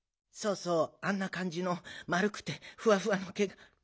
そうそうあんなかんじのまるくてフワフワのケが。